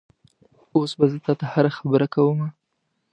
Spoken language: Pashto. اوس به تا ته زه هره خبره کومه؟